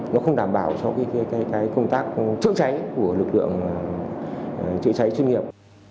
nó không đảm bảo cho công tác chữa cháy của lực lượng chữa cháy chuyên nghiệp